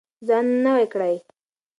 ځان نوی کړئ.